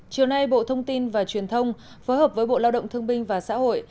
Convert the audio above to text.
chiều nay bộ thông tin và truyền thông phối hợp với bộ lao động thương binh và xã hội